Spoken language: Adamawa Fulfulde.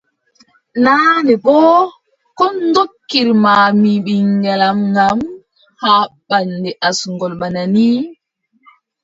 Naane boo, ko ndokkirma mi ɓiŋngel am ngam haa mbaɗen asngol bana nii.